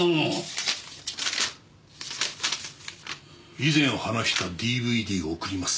「以前話したＤＶＤ送ります」